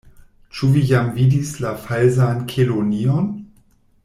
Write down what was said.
"Ĉu vi jam vidis la Falsan Kelonion?"